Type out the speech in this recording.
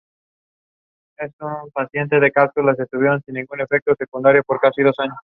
Sólo pueden recibirlo siete miembros vivos a la vez.